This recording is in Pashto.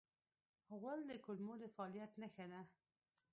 غول د کولمو د فعالیت نښه ده.